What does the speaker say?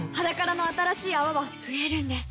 「ｈａｄａｋａｒａ」の新しい泡は増えるんです